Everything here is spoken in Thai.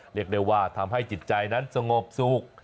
เรียกได้ว่าทำให้จิตใจนั้นสงบสุข